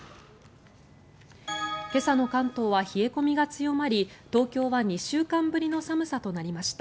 今朝の関東は冷え込みが強まり東京は２週間ぶりの寒さとなりました。